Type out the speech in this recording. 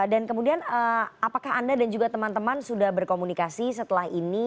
dan kemudian apakah anda dan juga teman teman sudah berkomunikasi setelah ini